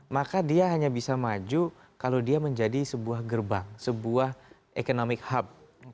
maka dia hanya bisa maju kalau dia menjadi sebuah gerbang sebuah economic hub